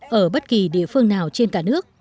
nông thôn mới ở bất kỳ địa phương nào trên cả nước